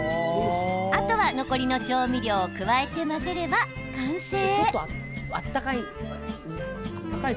あとは、残りの調味料を加えて混ぜれば完成。